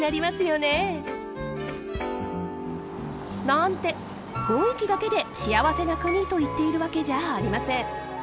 なんて雰囲気だけで幸せな国と言っているわけじゃありません。